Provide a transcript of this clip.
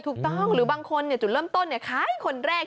ถูกต้องหรือบางคนจุดเริ่มต้นคล้ายคนแรก